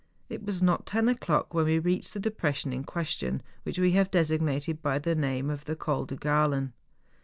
It was not ten o'clock when we reached the depression in ques¬ tion, which we have designated by the name of the Col de Gralen.